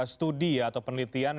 studi atau penelitian